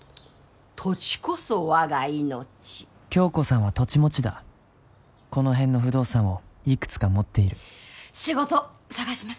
土地こそ我が命響子さんは土地持ちだこの辺の不動産をいくつか持っている仕事探します